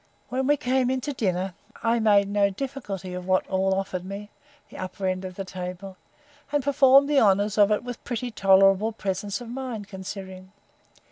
When we came in to dinner, I made no difficulty of what all offered me, the upper end of the table; and performed the honours of it with pretty tolerable presence of mind, considering.